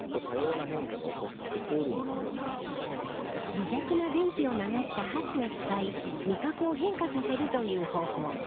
微弱な電気を流した箸を使い味覚を変化させるという方法。